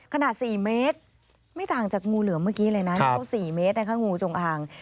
ขนาด๔เมตรไม่ต่างจากงูเหลือมเมื่อกี้เลยนะเขา๔เมตรนะคะงูจงอาง